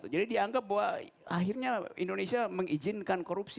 jadi dianggap bahwa akhirnya indonesia mengizinkan korupsi